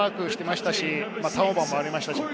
ハードワークをしていましたし、ターンオーバーもありました。